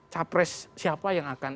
capres siapa yang akan